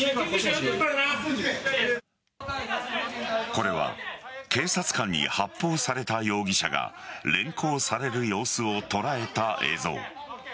これは警察官に発砲された容疑者が連行される様子を捉えた映像。